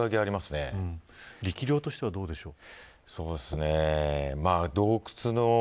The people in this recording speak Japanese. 力量としてはどうでしょう。